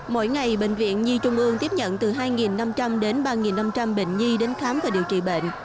mỗi ngày bệnh viện nhi trung ương tiếp nhận từ hai năm trăm linh đến ba năm trăm linh bệnh nhi đến khám và điều trị bệnh